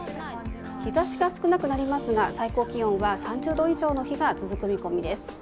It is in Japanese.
日差しが少なくなりますが最高気温は３０度以上の日が続く見込みです。